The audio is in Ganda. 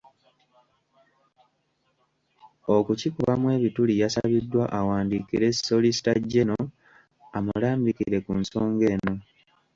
Okukikubamu ebituli yasabiddwa awandiikire solicitor general amulambikire ku nsonga eno.